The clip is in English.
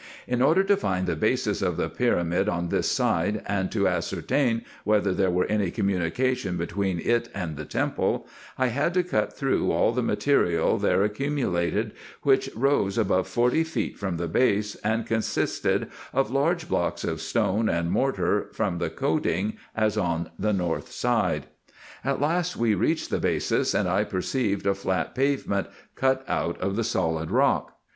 In order to find the basis of the pyramid on this side, and to ascertain whether there were any communication between it and the temple, I had to cut through all the material there accumulated, which rose above forty feet from the basis, and con sisted of large blocks of stone and mortar, from the coating, as on the north side. At last we reached the basis, and 1 perceived a flat pavement cut out of the solid rock.